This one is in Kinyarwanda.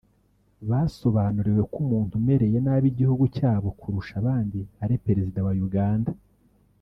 basobanuriwe ko umuntu umereye nabi igihugu cyabo kurusha abandi ari Perezida wa Uganda